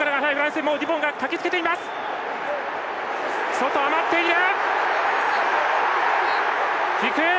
外、余っている！